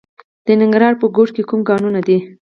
د ننګرهار په کوټ کې کوم کانونه دي؟